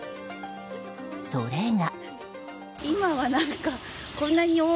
それが。